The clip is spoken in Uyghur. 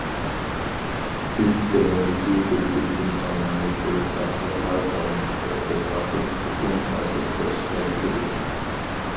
بىز تۆۋەندىكى بىر تۈركۈم سانلارنى كۆرۈپ باقساقلا كاللىمىزدا بىر ئادىل ئۇقۇم ھاسىل قىلىشقا يىتىدۇ.